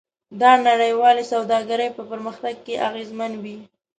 دا نړیوالې سوداګرۍ په پرمختګ کې اغیزمن وي.